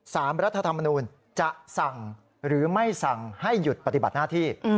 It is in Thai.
รัฐธรรมนูลจะสั่งหรือไม่สั่งให้หยุดปฏิบัติหน้าที่